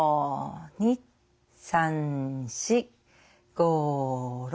２３４５６。